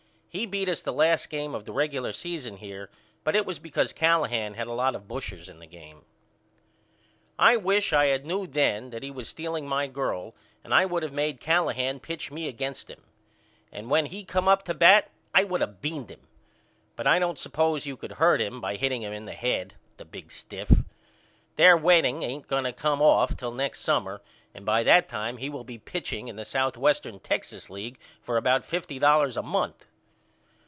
He beat us the last game of the regular season here but it was because Callahan had a lot of bushers in the game. I wish I had knew then that he was stealing my girl and I would of made Callahan pitch me against him. And when he come up to bat I would of beaned him. But I don't suppose you could hurt him by hitting him in the head. The big stiff. Their wedding ain't going to come off till next summer and by that time he will be pitching in the Southwestern Texas League for about fifty dollars a month.